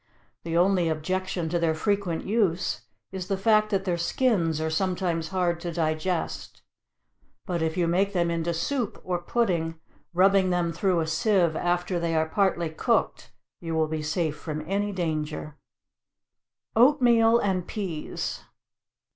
The only objection to their frequent use is the fact that their skins are sometimes hard to digest; but if you make them into soup, or pudding, rubbing them through a sieve after they are partly cooked, you will be safe from any danger. =Oatmeal and Peas.